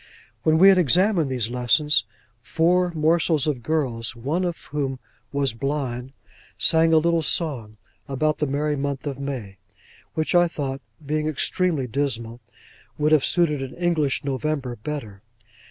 When we had examined these lessons, four morsels of girls (of whom one was blind) sang a little song, about the merry month of May, which I thought (being extremely dismal) would have suited an English November better.